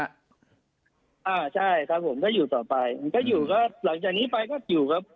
อ่าใช่ครับผมก็อยู่ต่อไปถ้าอยู่ก็หลังจากนี้ไปก็อยู่ครับ